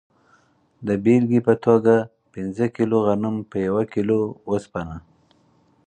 د بیلګې په توګه پنځه کیلو غنم په یوه کیلو اوسپنه.